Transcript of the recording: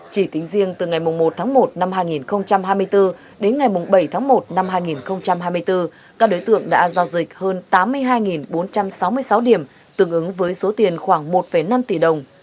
chỉ tính riêng từ ngày một tháng một năm hai nghìn hai mươi bốn đến ngày bảy tháng một năm hai nghìn hai mươi bốn các đối tượng đã giao dịch hơn tám mươi hai bốn trăm sáu mươi sáu điểm tương ứng với số tiền khoảng một năm tỷ đồng